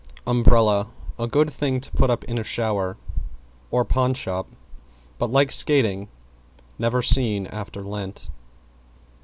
=UMBRELLA= A good thing to put up in a shower or pawn shop; but, like skating, never seen after Lent.